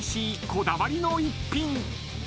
こだわりの逸品］